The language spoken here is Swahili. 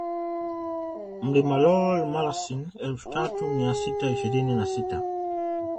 Mlima Lool Malasin elfu tatu mia sita ishirini na sita